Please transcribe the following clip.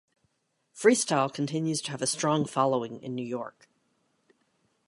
Freestyle continues to have a strong following in New York.